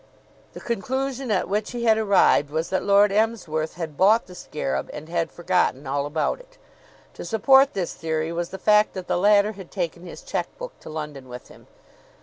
The conclusion at which he had arrived was that Lord Emsworth had bought the scarab and had forgotten all about it. To support this theory was the fact that the latter had taken his check book to London with him.